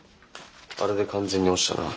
あれで完全に落ちたな。